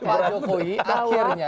pak jokowi akhirnya